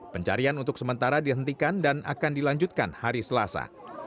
pencarian untuk sementara dihentikan dan akan dilanjutkan hari selasa